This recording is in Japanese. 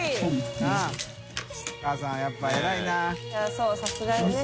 そうさすがやね。